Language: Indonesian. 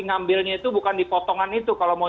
ngambilnya itu bukan di potongan itu kalau mau